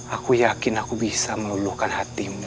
aku yakin aku bisa meluluhkan hatimu